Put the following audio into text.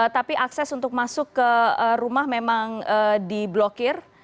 tapi akses untuk masuk ke rumah memang diblokir